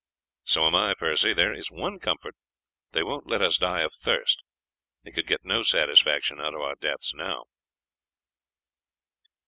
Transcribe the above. "And so am I, Percy; there is one comfort, they won't let us die of thirst, they could get no satisfaction out of our deaths now."